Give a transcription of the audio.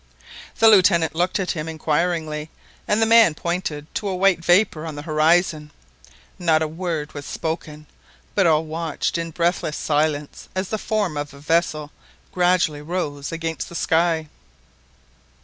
The Lieutenant looked at him inquiringly, and the man pointed to a white vapour on the horizon. Not a word was spoken, but all watched in breathless silence as the form of a vessel gradually rose against the sky.